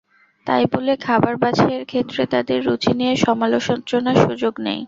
তাই বলে খাবার বাছাইয়ের ক্ষেত্রে তাদের রুচি নিয়ে সমালোচনার সুযোগ নেই।